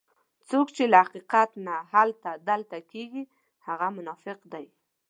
څوک چې له حقیقت نه هلته دلته کېږي هغه منافق دی.